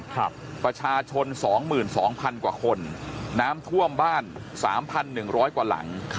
ประชาชน๒๒๐๐๐กว่าคนน้ำท่วมบ้าน๓๑๐๐กว่าหลัง